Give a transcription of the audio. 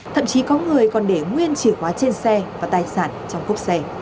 thậm chí có người còn để nguyên chìa khóa trên xe và tài sản trong cốc xe